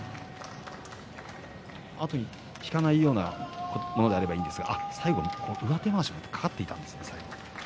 後に引かないようなものであればいいんですが最後、上手まわしもかかっていたんですね。